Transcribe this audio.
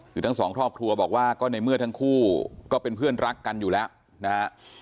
คือทั้งสองครอบครัวบอกว่าก็ในเมื่อทั้งคู่ก็เป็นเพื่อนรักกันอยู่แล้วนะฮะ